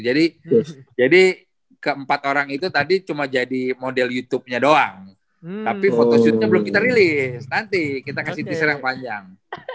jadi keempat orang itu tadi cuma jadi model youtube nya doang tapi photoshootnya belum kita rilis nanti kita kasih teaser yang panjang